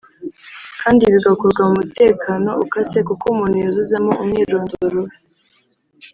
Kandi bigakorwa mu mutekano ukase kuko umuntu yuzuzamo umwirondoro we